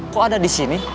kok ada disini